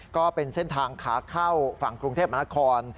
ก็เป็นเส้นทางขาเข้าฝั่งกรุงเทพมหานคร